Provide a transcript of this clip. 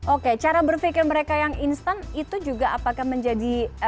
oke cara berpikir mereka yang instan itu juga apakah menjadi